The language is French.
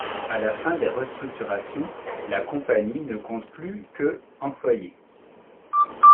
À la fin des restructurations, la compagnie ne compte plus que employés.